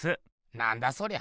何だそりゃ？